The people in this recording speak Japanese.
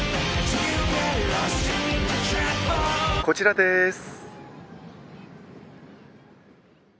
こちらです。